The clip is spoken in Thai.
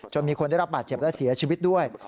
มีคนได้รับบาดเจ็บและเสียชีวิตด้วย